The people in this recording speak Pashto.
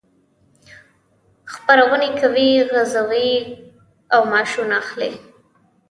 خپرونې کوي، غزونې کوي او معاشونه اخلي.